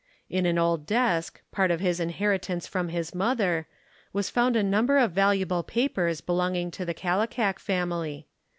In an old desk, part of his inheritance from his mother, was found a number of valuable papers belonging to the Kallikak family.